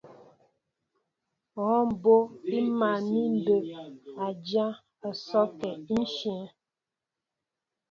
Hɔɔ mbó' í máál mi mbey a dyá á nzɔkə íshyə̂.